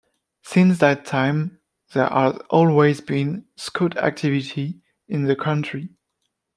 Since that time there has always been Scout activity in the country.